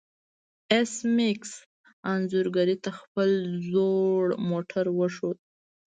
ایس میکس انځورګرې ته خپل زوړ موټر وښود